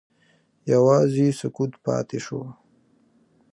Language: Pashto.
یوازې سکوت پاتې شو.